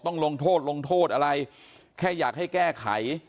ลงโทษลงโทษอะไรแค่อยากให้แก้ไข